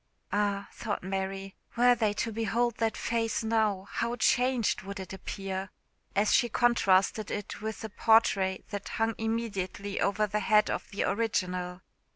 "Ah!" thought Mary, "were they to behold that face now, how changed would it appear!" as she contrasted it with the portrait that hung immediately over the head of the original.